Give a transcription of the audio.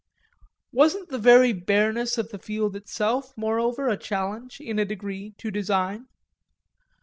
Wasn't the very bareness of the field itself moreover a challenge, in a degree, to design?